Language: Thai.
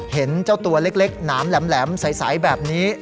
เห็นเจ้าตัวเล็กน้ำแหลมสายแบบนี้